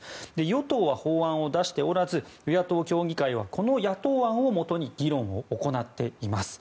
与党は法案を出しておらず与野党協議会はこの野党案をもとに議論を行っています。